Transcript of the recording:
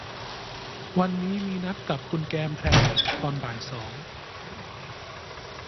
วันนี้มีนัดกับคุณแกมแพรตอนบ่ายสอง